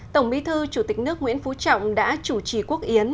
tổng bí thư chủ tịch nước nguyễn phú trọng đã chủ trì quốc yến